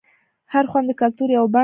هر خوند د کلتور یوه بڼه ده.